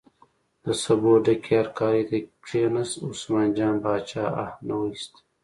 د سبو ډکې هرکارې ته کیناست، عثمان جان باچا اه نه ویست.